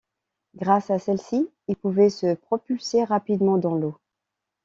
Grâce à celle-ci, il pouvait se propulser rapidement dans l'eau.